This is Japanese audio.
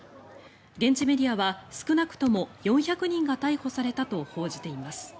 現地メディアは少なくとも４００人が逮捕されたと報じています。